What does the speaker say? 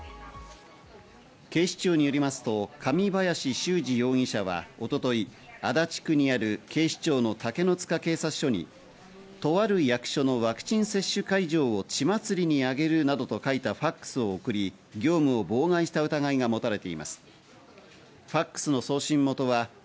警視庁によりますと神林修二容疑者は一昨日、足立区にある警視庁の竹の塚警察署にとある役所のワクチン接種会場を血祭りにあげるなどと書いたファクスを送り、業務を妨害した疑いがもたれています。